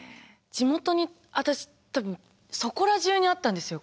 地元に私多分そこら中にあったんですよ。